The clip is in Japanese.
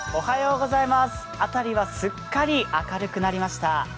辺りはすっかり明るくなりました。